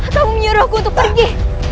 atau menyuruh aku untuk pergi